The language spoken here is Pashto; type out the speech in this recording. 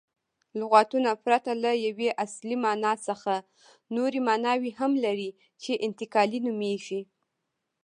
لغتونه پرته له یوې اصلي مانا څخه نوري ماناوي هم لري، چي انتقالي نومیږي.